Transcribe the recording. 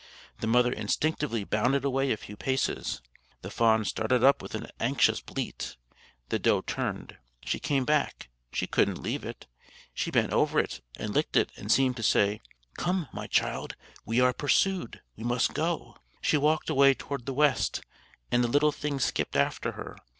The mother instinctively bounded away a few paces. The fawn started up with an anxious bleat. The doe turned; she came back; she couldn't leave it. She bent over it, and licked it, and seemed to say, "Come, my child; we are pursued; we must go." She walked away toward the west, and the little thing skipped after her.